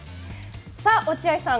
さあ、落合さん